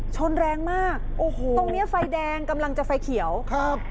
ชนแรงมากโอ้โหตรงเนี้ยไฟแดงกำลังจะไฟเขียวครับ